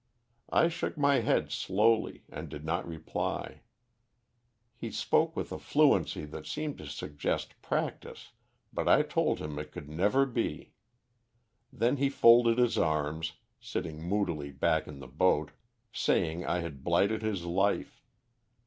I shook my head slowly, and did not reply. He spoke with a fluency that seemed to suggest practice, but I told him it could never be. Then he folded his arms, sitting moodily back in the boat, saying I had blighted his life.